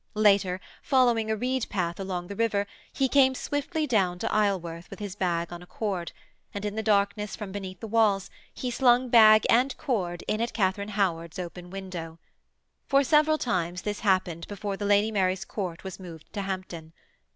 Later, following a reed path along the river, he came swiftly down to Isleworth with his bag on a cord and, in the darkness from beneath the walls, he slung bag and cord in at Katharine Howard's open window. For several times this happened before the Lady Mary's court was moved to Hampton.